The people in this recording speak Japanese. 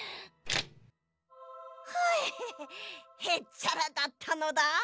へっちゃらだったのだ。